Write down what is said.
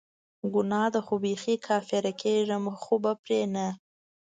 ګناه ده خو بیخي کافره کیږم خو به پری نه